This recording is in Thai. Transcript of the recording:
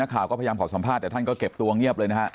พยายามขอสัมภาษณ์แต่ท่านก็เก็บตัวเงียบเลยนะครับ